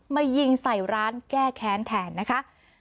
มายิงใส่ร้านแก้แค้นแทนนะคะ